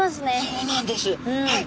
そうなんですはい。